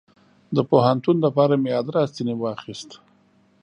د پوهنتون دپاره مې ادرس ځني واخیست.